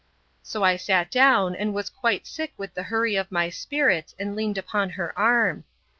So I sat down, and was quite sick with the hurry of my spirits, and leaned upon her arm.